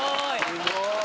すごーい！